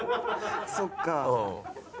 そっかあ。